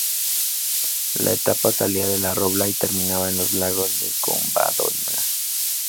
La etapa salía de La Robla y terminaba en los Lagos de Covadonga.